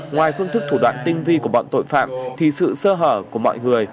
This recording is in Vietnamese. ngoài phương thức thủ đoạn tinh vi của bọn tội phạm thì sự sơ hở của mọi người